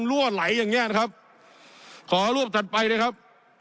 รั่วไหลอย่างเงี้ยนะครับขอรวบถัดไปเลยครับ